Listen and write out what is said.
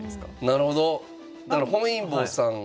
なるほど。